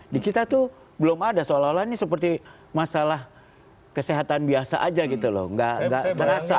di kita tuh belum ada seolah olah ini seperti masalah kesehatan biasa aja gitu loh nggak terasa